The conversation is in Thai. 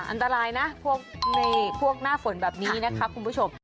อันตรายนะพวกหน้าฝนแบบนี้นะคะคุณผู้ชม